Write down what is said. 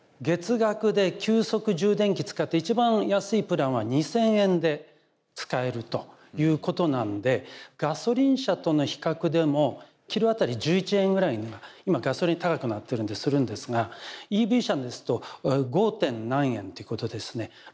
月額で急速充電器使って一番安いプランは２，０００円で使えるということなんでガソリン車との比較でもキロ当たり１１円ぐらいには今ガソリン高くなってるんでするんですがＥＶ車ですと５点何円ということでですね